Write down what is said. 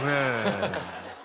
ハハハ。